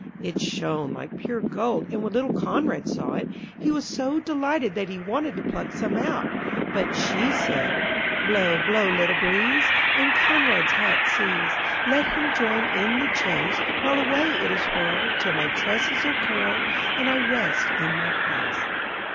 It shone like pure gold, and when little Conrad saw it, he was so delighted that he wanted to pluck some out; but she said 'Blow, blow, little breeze, And Conrad's hat seize. Let him join in the chase While away it is whirled, Till my tresses are curled And I rest in my place.'